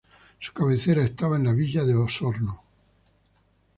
Su cabecera estaba en la Villa de Osorno.